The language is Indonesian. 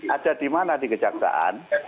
ada di mana di kejaksaan